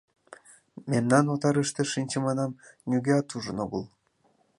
Мемнан отарыште шинчымынам нигӧат ужын огыл.